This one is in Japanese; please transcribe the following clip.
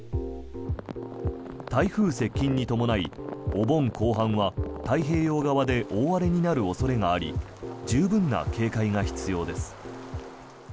台風接近に伴いお盆後半は太平洋側で大荒れになる恐れがあり十分な警戒が必要です。